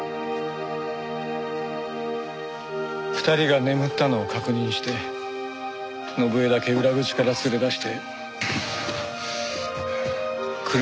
２人が眠ったのを確認して伸枝だけ裏口から連れ出して車で崖まで運びました。